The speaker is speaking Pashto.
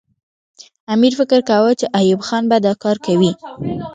امیر فکر کاوه چې ایوب خان به دا کار کوي.